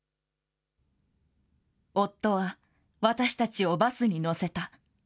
夫は私たちをバスに乗せた。